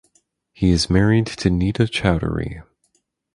He is married to Neeta Chaudhari.